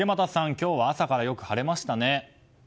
今日は朝からよく晴れましたね。